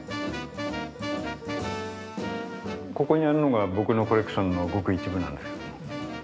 ここにあるのが僕のコレクションのごく一部なんですけれども。